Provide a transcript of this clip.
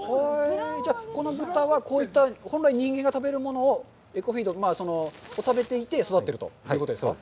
じゃあ、この豚は本来、人間が食べるものをエコフィールド、食べていて育っているということですか。